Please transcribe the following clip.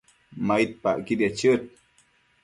maidpacquidiec chëd